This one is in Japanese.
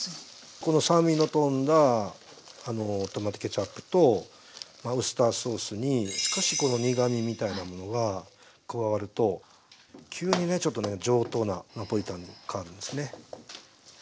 この酸味のとんだトマトケチャップとウスターソースに少しこの苦みみたいなものが加わると急にねちょっとね上等なナポリタンに変わるんですね。